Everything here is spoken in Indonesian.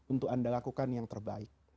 untuk anda lakukan yang terbaik